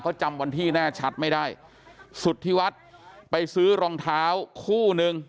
เขาจำวันที่แน่ชัดไม่ได้สุธิวัฒน์ไปซื้อรองเท้าคู่นึง